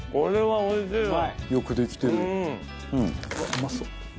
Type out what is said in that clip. うまそう。